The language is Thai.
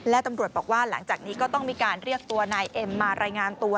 และตำรวจบอกว่าหลังจากนี้ก็ต้องมีการเรียกตัวนายเอ็มมารายงานตัว